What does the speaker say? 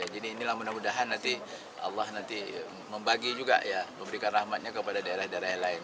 jadi inilah mudah mudahan nanti allah nanti membagi juga ya memberikan rahmatnya kepada daerah daerah lain